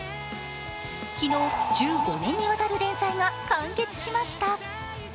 昨日、１５年にわたる連載が完結しました。